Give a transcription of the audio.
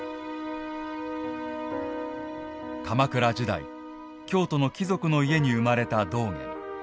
鎌倉時代、京都の貴族の家に生まれた道元。